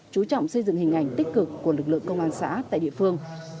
chú trọng xây dựng hình ảnh tích cực của lực lượng công an xã tại địa phương